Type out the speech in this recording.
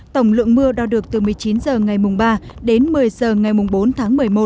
tổng lượng mưa đo được từ một mươi chín h ngày ba đến một mươi h ngày bốn tháng một mươi một